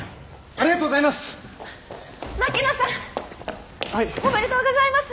ありがとうございます！